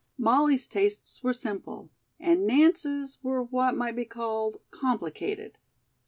Molly's tastes were simple and Nance's were what might be called complicated.